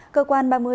cơ quan ba mươi